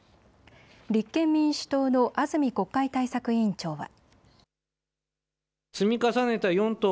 立憲民主党の安住国会対策委員長は。